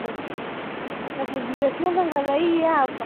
katika msimu wa kiangazi zao la viazi ndio tegemezi kwa mkulima